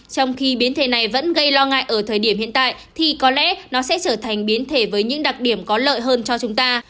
trong khi biến thể này vẫn gây lo ngại ở thời điểm hiện tại thì có lẽ nó sẽ trở thành biến thể với những đặc điểm có lợi hơn cho chúng ta